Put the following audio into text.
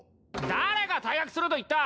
誰が退学すると言った！